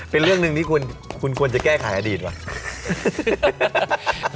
เป็นเรื่องหนึ่งที่คุณควรจะแก้ไขอดีตว่ะ